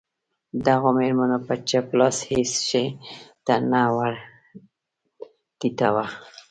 دغو مېرمنو به چپ لاس هېڅ شي ته نه ور ټیټاوه.